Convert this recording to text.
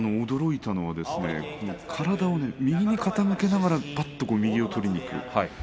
驚いたのは体を右に傾けながらぱっと右を取りにいく。